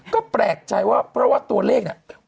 ก็แปลกใจว่าเพราะว่าตัวเลขเนี่ย